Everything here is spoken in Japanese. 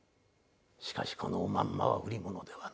しかしこのおまんまは売り物ではない。